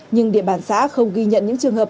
nhưng địa bàn xã không ghi nhận những trường hợp